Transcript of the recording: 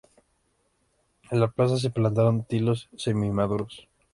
En la plaza se plantaron tilos semi-maduros.